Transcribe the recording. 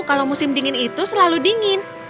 kalau musim dingin itu selalu dingin